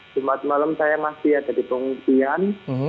jumat malam saya masih ada di pengungsian